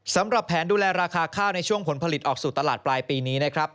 สำหรับแผนดูแลราคาข้าวในช่วงผลผลิตออกสู่ตลาดปลายปีนี้นะครับ